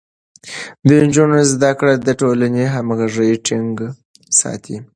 د نجونو زده کړه د ټولنې همغږي ټينګه ساتي.